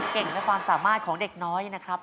และความสามารถของเด็กน้อยนะครับ